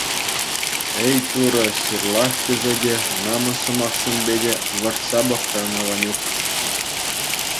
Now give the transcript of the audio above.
Эй, Турӑ, ҫырлах тесе те, намӑс сӑмахсемпе те вӑрҫса пӑхрӗ ӑна Ванюк.